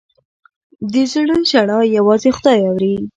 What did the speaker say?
د زړه ژړا یوازې خدای اوري.